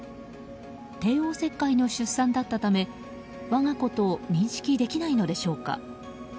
帝王切開の出産だったため我が子と認識できないのでしょうか。